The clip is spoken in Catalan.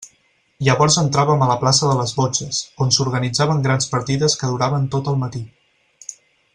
Llavors entràvem a la plaça de les botxes, on s'organitzaven grans partides que duraven tot el matí.